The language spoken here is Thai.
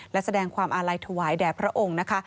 และแสดงความอาลัยถวายแด่พระองค์นะคะ